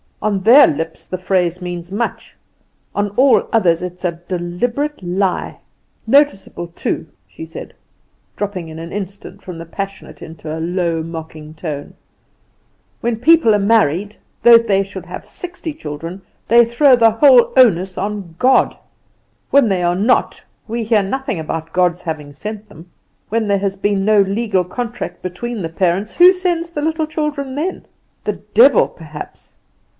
On their lips the phrase means much; on all others it is a deliberate lie. Noticeable, too," she said, dropping in an instant from the passionate into a low, mocking tone, "when people are married, though they should have sixty children, they throw the whole onus on God. When they are not, we hear nothing about God's having sent them. When there has been no legal contract between the parents, who sends the little children then? The devil perhaps!"